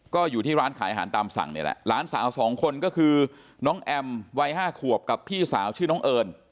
ก็อยู่ที่ร้านขายอาหารตามสั่งนี่แหละหลานสาวสองคนก็คือน้องแอมวัย๕ขวบกับพี่สาวชื่อน้องเอิญ